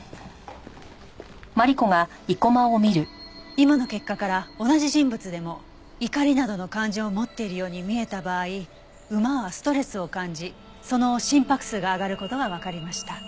今の結果から同じ人物でも怒りなどの感情を持っているように見えた場合馬はストレスを感じその心拍数が上がる事がわかりました。